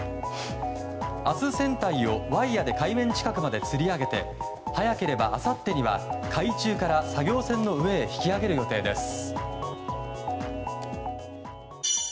明日、船体をワイヤで海面近くまでつり上げて早ければ、あさってには海中から作業船の上へ引き揚げる予定です。